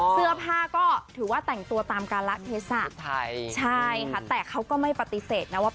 เสื้อผ้าก็ถือว่าแต่งตัวตามการละเทศะใช่ค่ะแต่เขาก็ไม่ปฏิเสธนะว่า